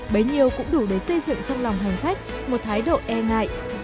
bấy nhiêu cũng đủ để xây dựng trong lòng hành khách một thái độ e ngại dè chừng trong suốt thời gian dài